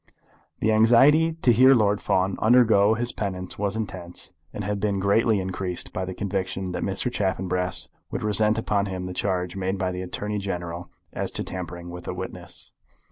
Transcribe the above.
The anxiety to hear Lord Fawn undergo his penance was intense, and had been greatly increased by the conviction that Mr. Chaffanbrass would resent upon him the charge made by the Attorney General as to tampering with a witness.